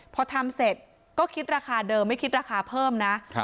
พอทำเสร็จก็คิดราคาเดิมไม่คิดราคาเพิ่มนะ